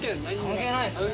関係ないですね。